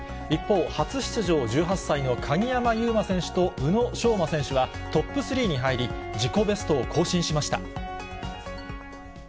一方、初出場、１８歳の鍵山優真選手と宇野昌磨選手は、トップ３に入り、自己ベストを更新しました。